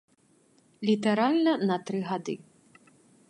Літаральна на тры гады.